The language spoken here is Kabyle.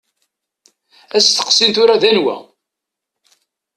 Asteqsi n tura d anwa.